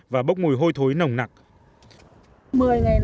và bốc mùi hôi thối nồng nặng